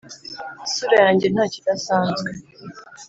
isura yanjye ntakidasanzwe,